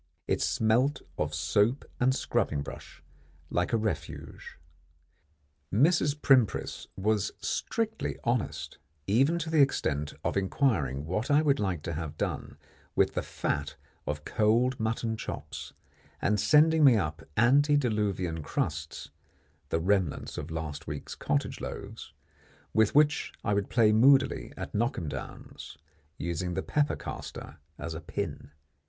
It smelt of soap and scrubbing brush like a Refuge. Mrs. Primpris was strictly honest, even to the extent of inquiring what I would like to have done with the fat of cold mutton chops, and sending me up antediluvian crusts, the remnants of last week's cottage loaves, with which I would play moodily at knock 'em downs, using the pepper caster as a pin.